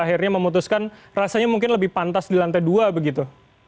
akhirnya memutuskan rasanya mungkin lebih pantas di lantai dua begitu